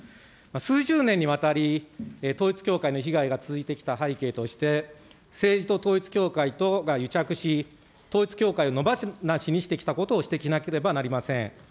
数十年にわたり、統一教会の被害が続いてきた背景として、政治と統一教会とが癒着し、統一教会を野放しにしてきたことを指摘しなければなりません。